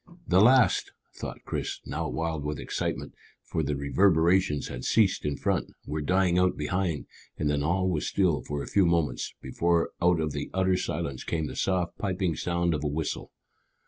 "The last!" thought Chris, now wild with excitement, for the reverberations had ceased in front, were dying out behind, and then all was still for a few moments, before out of the utter silence came the soft piping sound of a whistle.